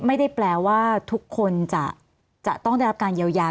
ไม่ได้แปลว่าทุกคนจะต้องได้รับการเยียวยา